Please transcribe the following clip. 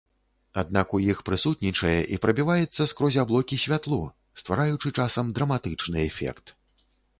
Аднак у іх прысутнічае і прабіваецца скрозь аблокі святло, ствараючы часам драматычны эфект.